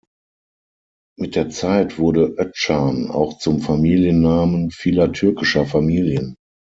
Mit der Zeit wurde Özcan auch zum Familiennamen vieler türkischer Familien.